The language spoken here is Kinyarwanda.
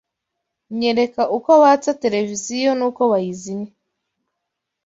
Nyereka uko batsa tereviziyo n’uko bayizimya